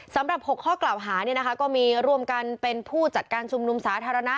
สำหรับ๖ข้อกล่าวหาก็มีร่วมกันเป็นผู้จัดการชุมนุมสาธารณะ